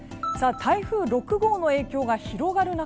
台風６号の影響が広がる中